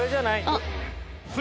あっ！